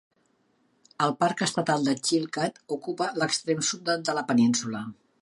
El parc estatal de Chilkat ocupa l'extrem sud de la península.